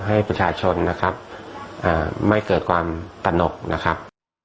ให้ประชาชนนะครับไม่เกิดความตนกนะครับ